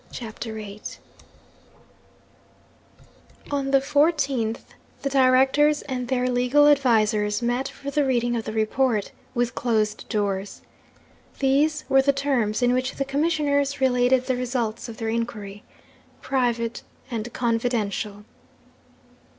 CHAPTER VIII On the 14th the Directors and their legal advisers met for the reading of the report, with closed doors. These were the terms in which the Commissioners related the results of their inquiry: 'Private and confidential.